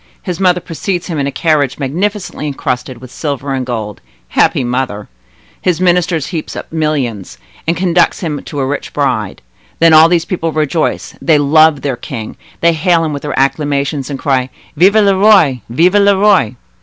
His mother precedes him in a carriage magnificently encrusted with silver and gold. Happy mother! His minister heaps up millions, and conducts him to a rich bride. Then all these people rejoice; they love their king, they hail him with their acclamations, and they cry, 'Vive le Roi! Vive le Roi!